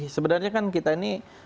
sebenarnya kan kita ini